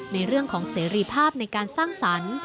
ในเรื่องของเสรีภาพในการสร้างสรรค์